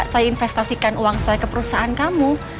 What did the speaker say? saya investasikan uang saya ke perusahaan kamu